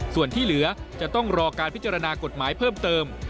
ส่วนที่เหลือจะต้องรอการพิจารณากฎหมายเพิ่มเติม